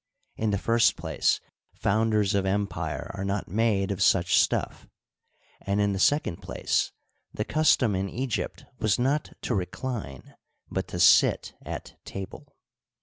In the first place, founders of empire are not made of such stuff ; and, in the second place, the custom in Egypt was not to recline, but to sit at table.